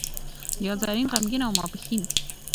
یا زرین، غمګین او ماپښین.